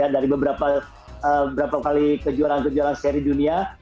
dari beberapa kali kejuaraan kejuaraan seri dunia